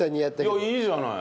いやいいじゃない。